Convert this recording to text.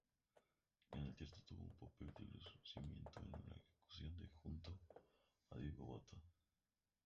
En teatro tuvo un papel de lucimiento en "Ejecución", junto a Diego Botto.